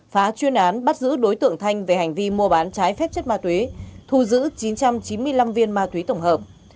phá chuyên án bắt giữ đối tượng thanh về hành vi mua bán trái phép chất ma túy thu giữ chín trăm chín mươi năm viên ma túy tổng hợp